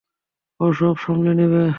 ও সব সামলে নেবে।